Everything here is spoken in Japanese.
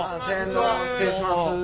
失礼します。